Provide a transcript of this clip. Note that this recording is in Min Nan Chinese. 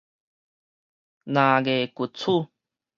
藍牙滑鼠